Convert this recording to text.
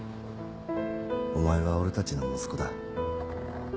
お前は俺たちの息子だ。